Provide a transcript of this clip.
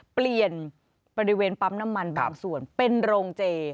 เปลี่ยนบริเวณปั๊มน้ำมันบางส่วนเป็นโรงเจ